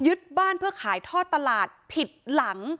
บ้านเพื่อขายท่อตลาดผิดหลัง